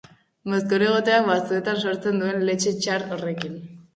Mozkor egoteak batzuetan sortzen duen letxe txar horrekin.